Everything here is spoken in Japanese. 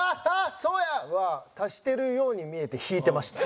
そうや！」は足してるように見えて引いてました。